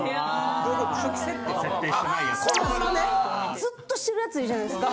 ずっとしてるヤツいるじゃないですか。